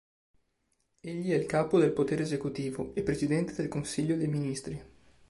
Egli è il capo del potere esecutivo e presidente del Consiglio dei ministri.